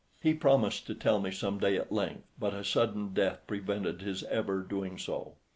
He promised to tell me some day at length, but a sudden death prevented his ever doing so.